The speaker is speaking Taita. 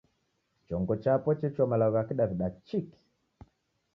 Chongo chapo chechua malagho gha Kidaw'ida chiki.